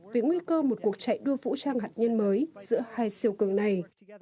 về nguy cơ một cuộc chạy đua vũ trang hạt nhân mới giữa hai siêu cường này